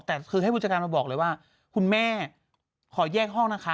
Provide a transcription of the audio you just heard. แต่ที่ให้บุจกรรมมาบอกเลยว่าคุณแม่ขอแยกห้องนะคะ